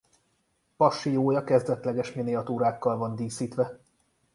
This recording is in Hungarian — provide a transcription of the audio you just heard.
Passiója kezdetleges miniatúrákkal van díszítve.